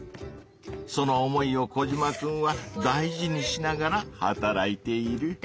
その思いをコジマくんは大事にしながら働いている。